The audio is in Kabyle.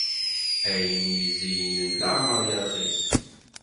Ayen izeynen leɛmeṛ yeṛxis.